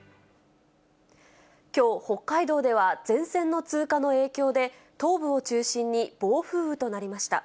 きょう、北海道では前線の通過の影響で東部を中心に暴風雨となりました。